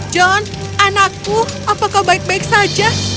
john anakku apakah baik baik saja